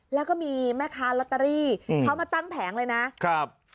แล้วก็มีแม่ค้าลอตเตอรี่เขามาตั้งแผงเลยนะครับ